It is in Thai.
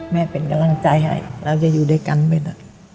แม่เป็นกำลังใจให้เราจะอยู่ด้วยกันไปนะ